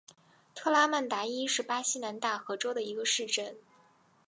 特拉曼达伊是巴西南大河州的一个市镇。